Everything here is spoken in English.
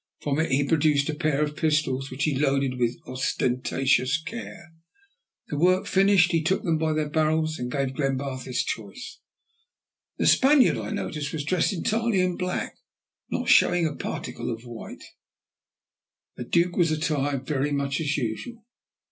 From it he produced a pair of pistols which he loaded with ostentatious care. This work finished, he took them by their barrels and gave Glenbarth his choice. The Spaniard, I noticed, was dressed entirely in black, not showing a particle of white; the Duke was attired very much as usual.